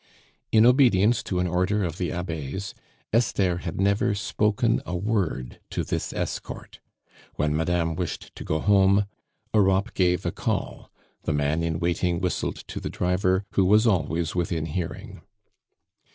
In obedience to an order of the Abbe's, Esther had never spoken a word to this escort. When madame wished to go home, Europe gave a call; the man in waiting whistled to the driver, who was always within hearing.